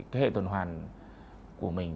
cái hệ tuần hoàn của mình